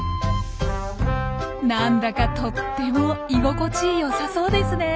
なんだかとっても居心地よさそうですね。